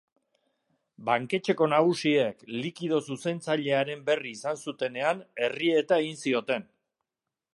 Banketxeko nagusiek, likido zuzentzailearen berri izan zutenean, errieta egin zioten.